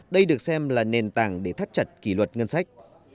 đây được xem là nền tảng để thắt chặt kỷ luật ngân sách